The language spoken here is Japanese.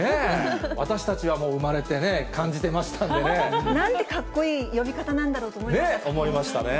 私たちは生まれてね、感じてましたんでね。なんてかっこいい呼び方なん思いましたね。